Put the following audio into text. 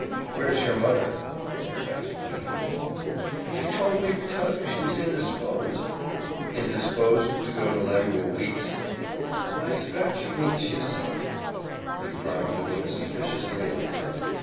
"Where's your mother?" Holcroft asked when he came in. "She told me to tell you she was indisposed." "Indisposed to go to Lemuel Weeks'?" "I 'spect she means she's sick." He frowned and looked suspiciously at the girl.